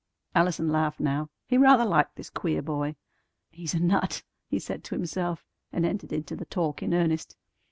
Allison laughed now. He rather liked this queer boy. "He's a nut!" he said to himself, and entered into the talk in earnest.